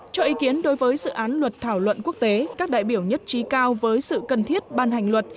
cho ý kiến đối với dự án luật thảo luận quốc tế các đại biểu nhất trí cao với sự cần thiết ban hành luật